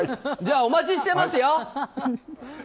じゃあお待ちしてますよ。